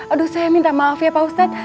aduh saya minta maaf ya pak ustadz